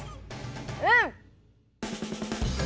うん！